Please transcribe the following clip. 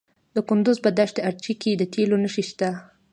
د کندز په دشت ارچي کې د تیلو نښې شته.